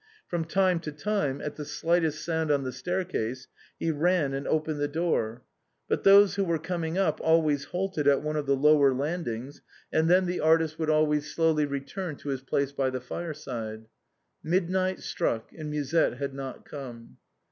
From time to time, at the slightest sound on the staircase, he ran and opened the door. But those who were coming up always halted at one of the lower landings, and then the artist 370 THE BOHEMIANS OF THE LATIN QUAETEE. would slowly return to his place by the fireside. Midnight struck, and Musette had not come.